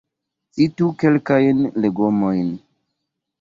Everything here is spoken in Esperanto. Citu kelkajn legomojn?